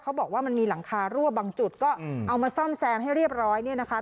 เขาบอกว่ามันมีหลังคารั่วบางจุดก็เอามาซ่อมแซมให้เรียบร้อยเนี่ยนะคะ